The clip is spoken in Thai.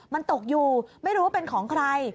มันตกอยู่ไม่รู้ว่าเป็นของใคร